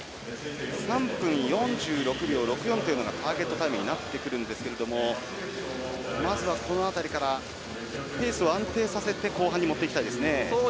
３分４６秒６４がターゲットタイムというのになっていくんですけどまずは、この辺りからペースを安定させて後半にもっていきたいですね。